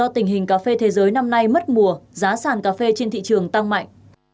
tình hình cà phê thế giới năm nay mất mùa giá sàn cà phê trên thị trường tăng mạnh